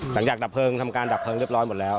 หลังจากทำการดับเพลิงเรียบร้อยหมดแล้ว